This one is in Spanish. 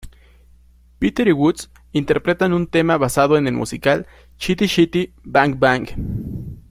Peter y Woods interpretan un tema basado en el musical "Chitty Chitty Bang Bang".